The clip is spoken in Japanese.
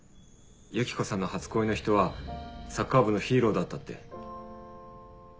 ユキコさんの初恋の人はサッカー部のヒーローだったって。